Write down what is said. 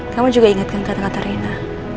kamu juga ingatkan kata kata rina